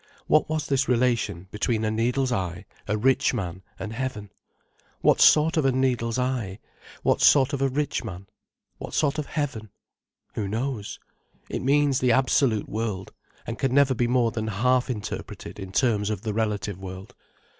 What was this relation between a needle's eye, a rich man, and heaven? What sort of a needle's eye, what sort of a rich man, what sort of heaven? Who knows? It means the Absolute World, and can never be more than half interpreted in terms of the relative world.